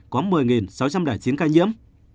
có một mươi sáu trăm linh chín ca nhiễm